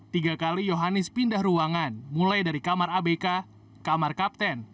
tiga kali yohanis pindah ruangan mulai dari kamar abk kamar kapten